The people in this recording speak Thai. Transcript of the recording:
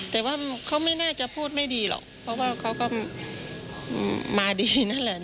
แต่ว่าเขาไม่น่าจะพูดไม่ดีหรอกเพราะว่าเขาก็มาดีนั่นแหละ